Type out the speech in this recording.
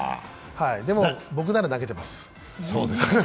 でも、僕なら投げてます。